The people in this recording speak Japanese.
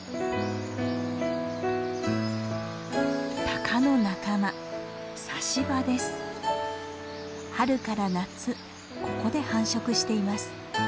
タカの仲間春から夏ここで繁殖しています。